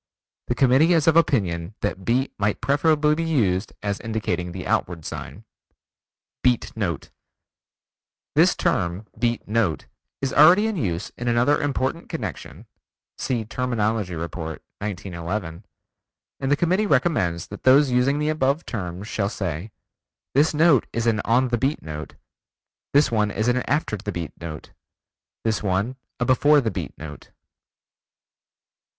The Committee is of opinion that Beat might preferably be used as indicating the outward sign. Beat Note This term "beat note" is already in use in another important connection (see Terminology Report, 1911) and the Committee recommends that those using the above terms shall say: "This note is an on the beat note; this one is an after the beat note; this one a before the beat note."